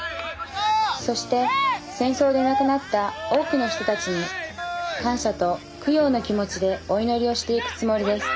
そして戦争で亡くなった多くの人たちに感謝と供養の気持ちでお祈りをしていくつもりです。